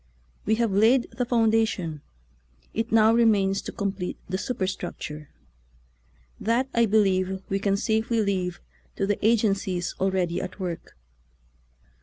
We have laid the founda tion ; it now remains to complete the su perstructure. That, I believe, we can safely leave to the agencies already at work.